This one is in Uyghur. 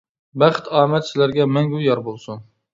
بەخت ئامەت سىلەرگە مەڭگۈ يار بولسۇن!